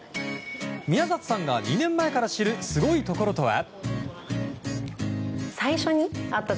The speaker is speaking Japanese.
宮里さんが２年前から知るすごいところとは。